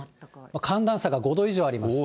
寒暖差が５度以上あります。